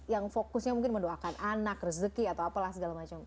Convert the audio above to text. yang fokusnya mungkin mendoakan anak rezeki atau apalah segala macam